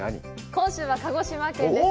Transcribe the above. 今週は鹿児島県です。